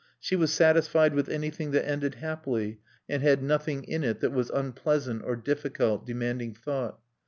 She was satisfied with anything that ended happily and had nothing in it that was unpleasant, or difficult, demanding thought.